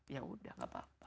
ya udah gak apa apa